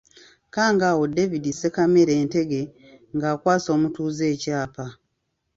Kangaawo David Ssekamere Ntege ng'akwasa omutuuze ekyapa.